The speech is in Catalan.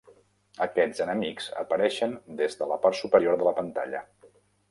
Aquests enemics apareixen des de la part superior de la pantalla.